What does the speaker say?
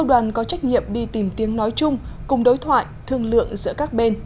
được đi tìm tiếng nói chung cùng đối thoại thương lượng giữa các bên